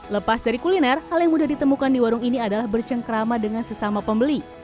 lepas dari kuliner hal yang mudah ditemukan di warung ini adalah bercengkrama dengan sesama pembeli